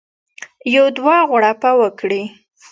یو دوه غړپه وکړي.